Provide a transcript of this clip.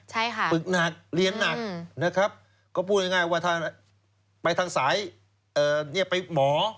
ใช่ค่ะฝึกหนักเรียนหนักนะครับก็พูดง่ายว่าถ้าไปทางสายเอ่อไปหมอ